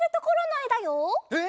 えっ！？